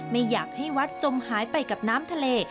ไม่อยากให้วัดจมหายไปกับน้ำทะเล